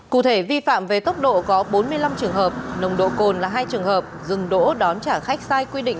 cụ thể vi phạm về tốc độ có bốn mươi năm trường hợp nồng độ cồn là hai trường hợp dừng đỗ đón trả khách sai quy định